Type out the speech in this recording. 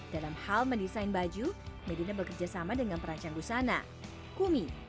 dalam hal mendesain baju medina bekerja sama dengan perancang busana kumi